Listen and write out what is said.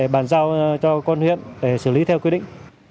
bàn giao cho con huyện để xử lý theo quy định